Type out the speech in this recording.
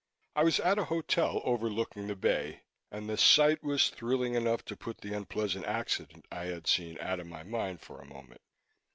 It was at a hotel overlooking the Bay, and the sight was thrilling enough to put the unpleasant accident I had seen out of my mind for a moment.